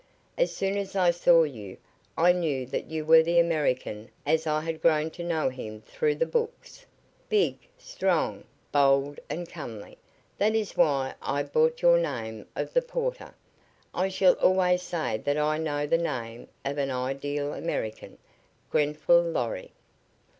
As soon as I saw you I knew that you were the American as I had grown to know him through the books, big, strong, bold and comely. That is why I bought your name of the porter. I shall always say that I know the name of an ideal American, Grenfall Lorry."